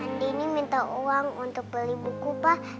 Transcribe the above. andini minta uang untuk beli buku pak